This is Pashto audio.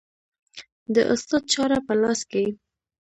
د استاد چاړه په لاس کې